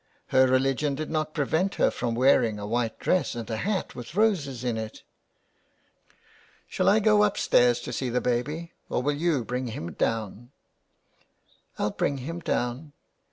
Her religion did not prevent her from wearing a white dress and a hat with roses in it. " Shall I go up stairs to see the baby, or will you bring him down ?"'^ I'll bring him down.